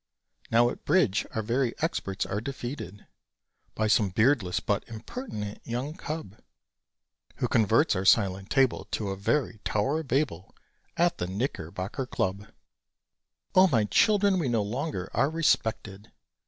Now, at bridge, our very experts are defeated By some beardless but impertinent young cub, Who converts our silent table To a very Tow'r of Babel, At the Knickerbocker Club! O my Children, we no longer are respected!